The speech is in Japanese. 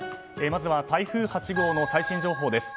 まずは台風８号の最新情報です。